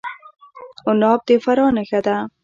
عناب د فراه نښه ده.